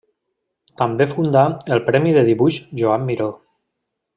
També fundà el Premi de Dibuix Joan Miró.